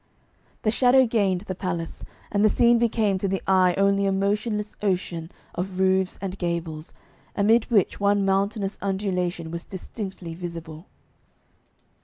The shadow gained the palace, and the scene became to the eye only a motionless ocean of roofs and gables, amid which one mountainous undulation was distinctly visible.